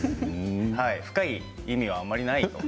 深い意味はあんまりない。